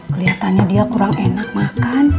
kelihatannya dia kurang enak makan